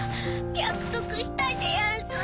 約束したでやんす。